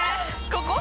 ここ？